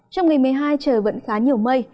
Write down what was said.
trong ngày một mươi hai trời vẫn khá nhiều mây